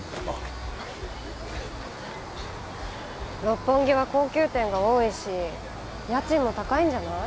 六本木は高級店が多いし家賃も高いんじゃない？